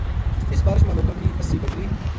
اس بارش ما لوکاں کی اسی بکری